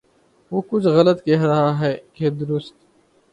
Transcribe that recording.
وہ کچھ غلط کہہ رہا ہے کہ درست